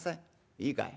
『いいかい？